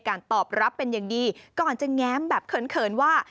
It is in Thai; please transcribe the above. ตอบรับเป็นอย่างดีก่อนจะแง้มแบบเขินว่า